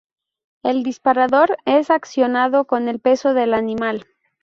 El disparador es accionado con el peso del animal.